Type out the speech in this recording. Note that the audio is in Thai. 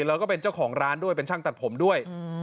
แล้วก็เป็นเจ้าของร้านด้วยเป็นช่างตัดผมด้วย